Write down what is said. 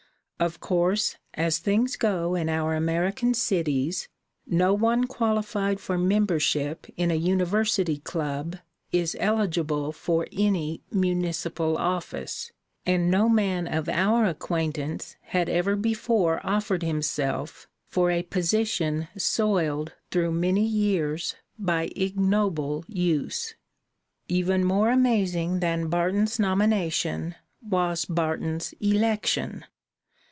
Of course, as things go in our American cities, no one qualified for membership in a university club is eligible for any municipal office, and no man of our acquaintance had ever before offered himself for a position soiled through many years by ignoble use. Even more amazing than Barton's nomination was Barton's election.